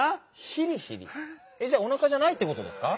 「ひりひり」？じゃおなかじゃないってことですか？